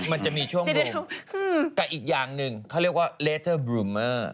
มันจะมีช่วงวงกับอีกอย่างหนึ่งเขาเรียกว่าเลเจอร์บลูเมอร์